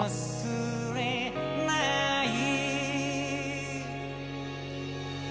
「忘れない」